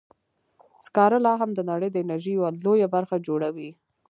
سکاره لا هم د نړۍ د انرژۍ یوه لویه برخه جوړوي.